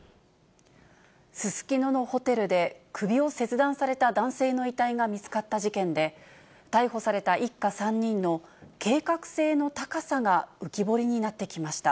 すすきののホテルで、首を切断された男性の遺体が見つかった事件で、逮捕された一家３人の計画性の高さが浮き彫りになってきました。